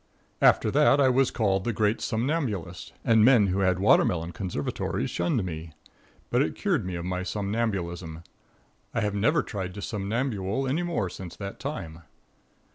After that I was called the great somnambulist and men who had watermelon conservatories shunned me. But it cured me of my somnambulism. I have never tried to somnambule any more since that time.